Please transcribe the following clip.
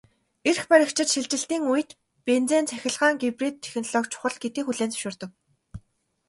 Эрх баригчид шилжилтийн үед бензин-цахилгаан гибрид технологи чухал гэдгийг хүлээн зөвшөөрдөг.